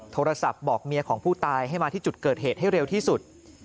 โทรศัพท์บอกเมียของผู้ตายให้มาที่จุดเกิดเหตุให้เร็วที่สุด